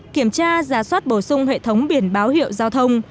kiểm tra giả soát bổ sung hệ thống biển báo hiệu giao thông